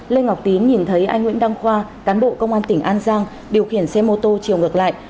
lê ngọc tín nhìn thấy anh nguyễn đăng khoa cán bộ công an tỉnh an giang điều khiển xe mô tô chiều ngược lại